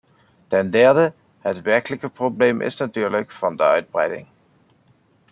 Ten derde, het werkelijke probleem is natuurlijk dat van de uitbreiding.